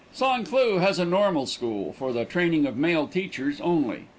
San Cloo has a normal school for the training of male teachers only.